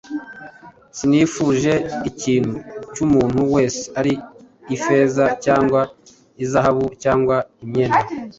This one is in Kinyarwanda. Sinifuje ikintu cy’umuntu wese, ari ifeza cyangwa izahabu cyangwa imyenda.